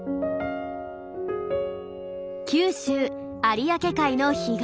九州有明海の干潟。